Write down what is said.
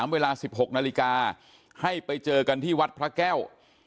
เวลา๑๖นาฬิกาให้ไปเจอกันที่วัดพระแก้ว